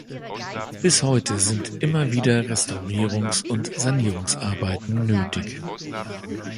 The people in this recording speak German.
Bis heute sind immer wieder Restaurierungs- und Sanierungsarbeiten nötig.